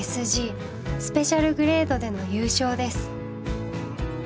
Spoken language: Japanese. スペシャルグレードでの優勝です。